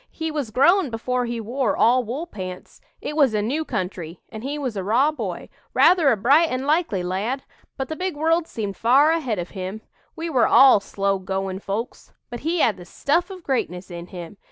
He was grown before he wore all wool pants. It was a new country, and he was a raw boy, rather a bright and likely lad; but the big world seemed far ahead of him. We were all slow goin' folks. But he had the stuff of greatness in him.